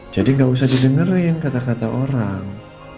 jadi enggak usah didengerin kata kata orang